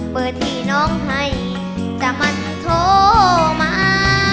เบอร์ที่น้องให้จากมันโทรมา